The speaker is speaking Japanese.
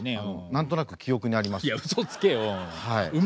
何となく記憶にあります。